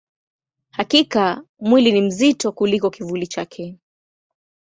Hakika, mwili ni mzito kuliko kivuli chake.